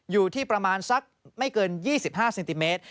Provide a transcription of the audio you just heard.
อยู่ที่ประมาณสักไม่เกิน๒๕เซนติเมตร